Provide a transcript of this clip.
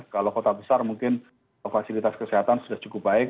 kalau kota besar mungkin fasilitas kesehatan sudah cukup baik